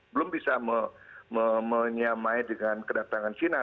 belum bisa menyamai dengan kedatangan china